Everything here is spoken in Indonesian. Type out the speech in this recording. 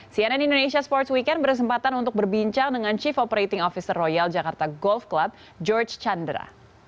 cnn indonesia sports weekend berkesempatan untuk berbincang dengan chief operating officer royal jakarta golf club george chandra